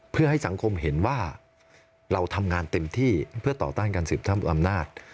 เพื่อให้สังคมเห็นว่าเราทำงานเต็มที่เพื่อต่อต้านการสืบท่ำอำนาจ